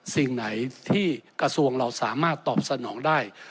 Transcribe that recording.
สิ่งไหนที่กระทรวงเราสามารถตอบสนองได้